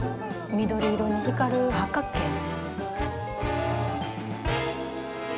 緑色に光る八角形の。